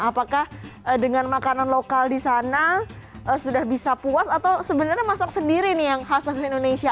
apakah dengan makanan lokal di sana sudah bisa puas atau sebenarnya masak sendiri nih yang khas khas indonesia